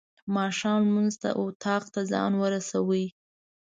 ماښام لمونځ ته اطاق ته ځان ورساوه.